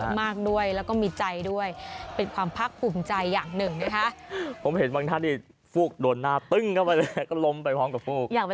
มากด้วยแล้วก็มีใจด้วยเป็นความภาคภูมิใจอย่างหนึ่งนะคะ